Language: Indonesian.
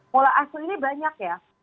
pola asuh ini banyak ya